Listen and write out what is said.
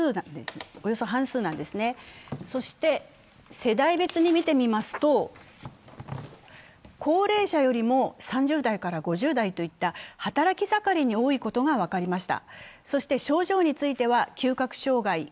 世代別に見てみますと高齢者よりも３０代５０代といった働き盛りに多いことが分かりました。